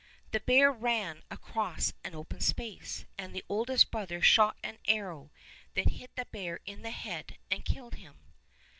The bear ran across an open space, and the oldest brother shot an arrow that hit the bear in the head and killed him.